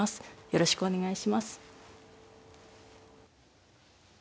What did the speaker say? よろしくお願いします。